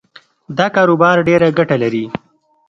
دا کاروبار ډېره ګټه لري